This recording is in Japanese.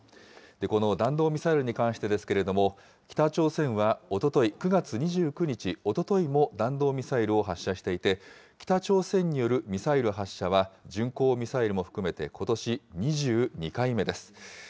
この弾道ミサイルに関してですけれども、北朝鮮はおととい９月２９日、おとといも弾道ミサイルを発射していて、北朝鮮によるミサイル発射は、巡航ミサイルも含めて、ことし２２回目です。